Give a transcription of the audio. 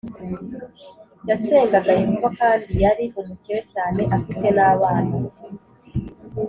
Yasengaga Yehova kandi yari umukire cyane afite n abana